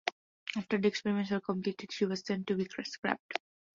After the experiments were completed she was sent to be scrapped.